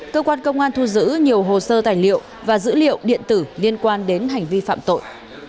cơ quan công an thu giữ nhiều hồ sơ tài liệu và dữ liệu điện tử liên quan đến hành vi phạm tội